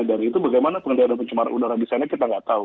dan itu bagaimana pencemar udara di sana kita tidak tahu